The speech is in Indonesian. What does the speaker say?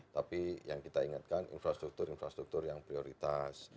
tapi yang kita ingatkan infrastruktur infrastruktur yang prioritas